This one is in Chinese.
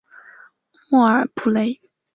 莫尔普雷。